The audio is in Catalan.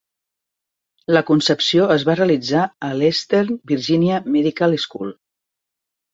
La concepció es va realitzar a l'Eastern Virginia Medical School.